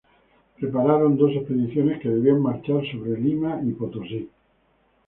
Prepararon dos expediciones que debían marchar sobre Lima y Potosí.